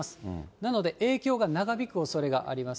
なので、影響が長引くおそれがあります。